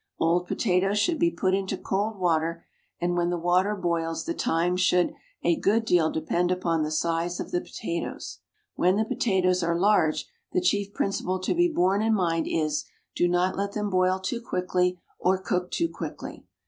Old potatoes should be put into cold water, and when the water boils the time should a good deal depend upon the size of the potatoes. When the potatoes are large, the chief principle to be borne in mind is, do not let them boil too quickly or cook too quickly.